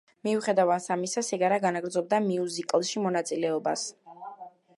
მიუხედავად ამისა, სეგარა განაგრძობდა მიუზიკლში მონაწილეობას.